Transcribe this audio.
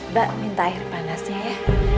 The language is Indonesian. mbak minta air panas ya ya